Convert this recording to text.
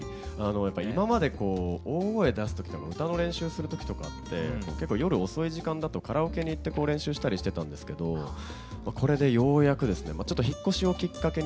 やっぱ今までこう大声出す時とか歌の練習する時とかって結構夜遅い時間だとカラオケに行って練習したりしてたんですけどこれでようやくですねちょっと引っ越しをきっかけにですね